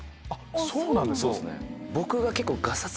そうなんですか？